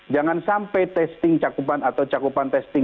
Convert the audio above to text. jangan sampai testing cakupan atau cakupan testing